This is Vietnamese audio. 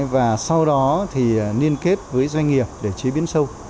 và sau đó thì liên kết với doanh nghiệp để chế biến sâu